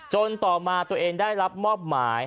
ต่อมาตัวเองได้รับมอบหมาย